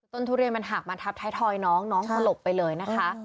ทุเรียนมันหักมาทับท้ายทอยน้องน้องสลบไปเลยนะคะ